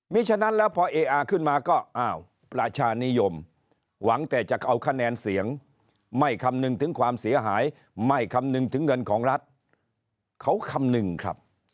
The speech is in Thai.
มีฉะนั้นแล้วพอเออาขึ้นมาก็อ้าวประชานิยมหวังแต่จะเอาคะแนนเสียงไม่คำนึงถึงความเสียหายไม่คำนึงถึงเงินของรัฐเขาคำนึงครับ